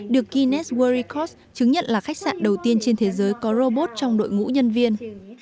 được guinnes world corts chứng nhận là khách sạn đầu tiên trên thế giới có robot trong đội ngũ nhân viên